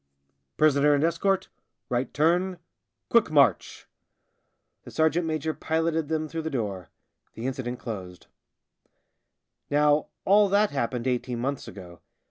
" Prisoner and escort — right turn — quick 6 82 THE SIXTH DRUNK march !" The sergeant major piloted them through the door ; the incident closed. Now all that happened eighteen months ago.